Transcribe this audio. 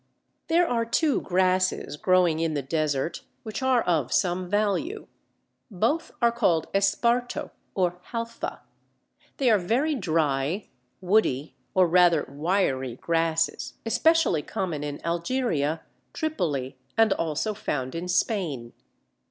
There are two grasses, growing in the desert, which are of some value; both are called Esparto or Halfa. They are very dry, woody, or rather wiry grasses, especially common in Algeria, Tripoli, and also found in Spain.